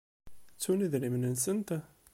Ttunt idrimen-nsent?